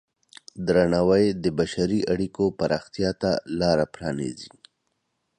درناوی د بشري اړیکو پراختیا ته لاره پرانیزي.